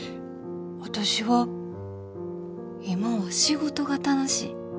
私は今は仕事が楽しい。